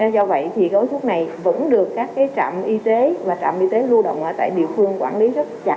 do vậy thì gói thuốc này vẫn được các trạm y tế và trạm y tế lưu động ở tại địa phương quản lý rất chặt chẽ